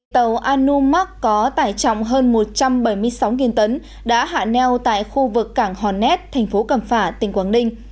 tàu anu max có tải trọng hơn một trăm bảy mươi sáu tấn đã hạ neo tại khu vực cảng hornet thành phố cầm phả tỉnh quảng ninh